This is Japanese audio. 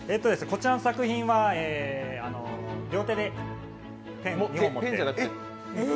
こちらの作品は、両手でペンを持って。